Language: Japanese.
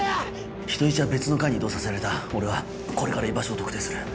人質は別の階に移動させられた俺はこれから居場所を特定する。